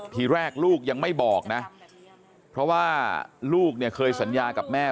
ทีแรกลูกยังไม่บอกนะเพราะว่าลูกเนี่ยเคยสัญญากับแม่